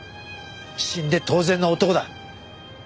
死んで当然の男だ。